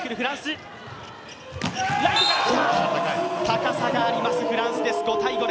高さがあります、フランスです。